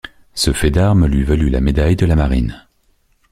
Ce fait d'arme lui valut la médaille de la Marine.